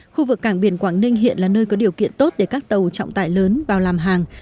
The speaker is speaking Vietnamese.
khu vực cảng biển quảng ninh hiện là nơi có điều kiện tốt để các tàu trọng tải lớn vào làm hàng